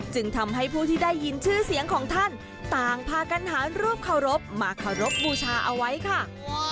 จึงทำให้ผู้ที่ได้ยินชื่อเสียงของท่านต่างพากันหารรูปเคารพมาเคารพบูชาเอาไว้ค่ะ